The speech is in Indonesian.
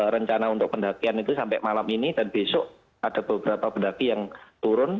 rencana untuk pendakian itu sampai malam ini dan besok ada beberapa pendaki yang turun